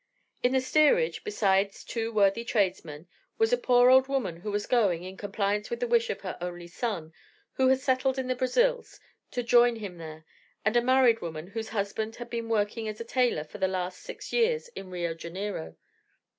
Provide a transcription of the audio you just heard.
In the steerage, besides two worthy tradesmen, was a poor old woman who was going, in compliance with the wish of her only son, who had settled in the Brazils, to join him there, and a married woman whose husband had been working as a tailor for the last six years in Rio Janeiro.